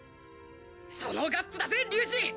そのガッツだぜ龍二！